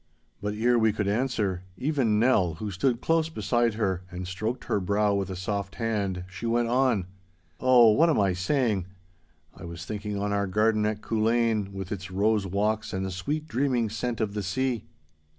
But ere we could answer—even Nell, who stood close beside her and stroked her brow with a soft hand, she went on,— 'Oh, what am I saying? I was thinking on our garden at Culzean, with its rose walks and the sweet dreaming scent of the sea?